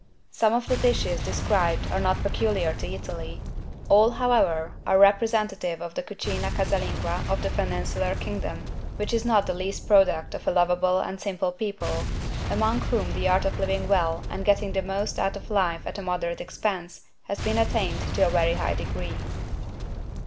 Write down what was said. Some of the dishes described are not peculiar to Italy. All, however, are representative of the =Cucina Casalinga= of the peninsular Kingdom, which is not the least product of a lovable and simple people, among whom the art of living well and getting the most out of life at a moderate expense has been attained to a very high degree.